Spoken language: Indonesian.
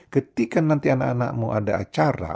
ketika nanti anak anakmu ada acara